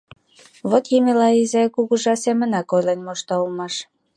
— Вот Емела изай кугыжа семынак ойлен мошта улмаш.